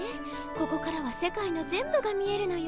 ここからは世界の全部が見えるのよ。